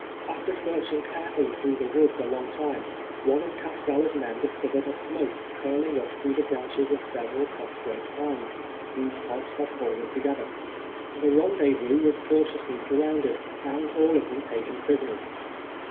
After searching carefully through the woods a long time, one of Cas calla's men discovered a smoke curling up through the branches of several prostrate pines, whose tops had fallen together. The rendezvous was cautiously surrounded, and all of them taken prisonei s.